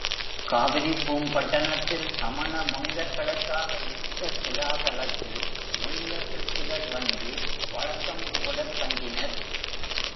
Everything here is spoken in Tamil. காவிரிப் பூம்பட்டினத்தில் சமணமுனிவர்களுக்காக இட்ட சிலாதலத்தில் முனிவர்கள் சிலர் வந்து வழக்கம் போலத் தங்கினர்.